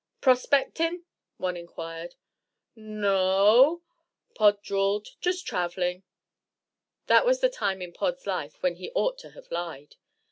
"Prospectin'?" one inquired. "N o o o," Pod drawled; "just traveling." That was the time in Pod's life when he ought to have lied.